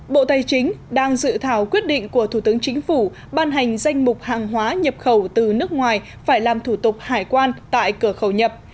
bộ tài chính đang dự thảo quyết định của thủ tướng chính phủ ban hành danh mục hàng hóa nhập khẩu từ nước ngoài phải làm thủ tục hải quan tại cửa khẩu nhập